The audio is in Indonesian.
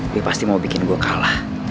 dia pasti mau bikin gue kalah